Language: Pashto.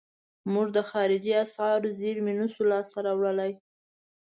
موږ د خارجي اسعارو زیرمې نشو لاس ته راوړلای.